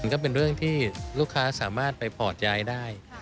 ก็เป็นเรื่องที่ลูกค้าสามารถไปพอร์ตย้ายได้